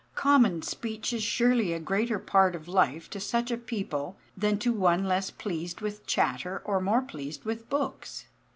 Common speech is surely a greater part of life to such a people than to one less pleased with chatter or more pleased with books.